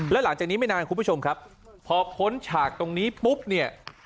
แล้วหลังจากนี้ไม่นานคุณผู้ชมครับพอพ้นฉากตรงนี้ปุ๊บเนี่ย